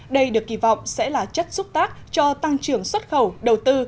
đây được kỳ vọng sẽ là chất xúc tác cho tăng trưởng xuất khẩu đầu tư